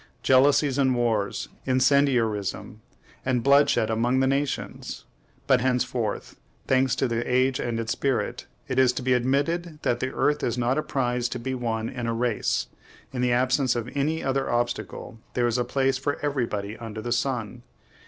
Jealousies and wars, incendiarism and bloodshed, among the nations! But henceforth, thanks to the age and its spirit, it is to be admitted that the earth is not a prize to be won in a race; in the absence of any other obstacle, there is a place for everybody under the sun.